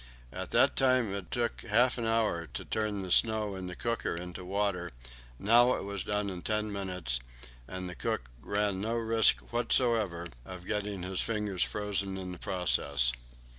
At that time it took half an hour to turn the snow in the cooker into water; now it was done in ten minutes, and the cook ran no risk whatever of getting his fingers frozen in the process.